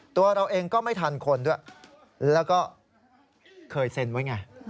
ตัวเราเองก็ไม่ทันคนด้วยแล้วก็เคยเซ็นไว้ไง